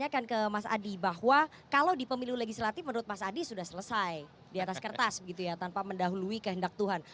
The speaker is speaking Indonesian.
saya akan ke mas adi bahwa kalau di pemilu legislatif menurut mas adi sudah selesai di atas kertas begitu ya tanpa mendahului kehendak tuhan